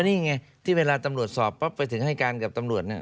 นี่ไงที่เวลาตำรวจสอบปั๊บไปถึงให้การกับตำรวจเนี่ย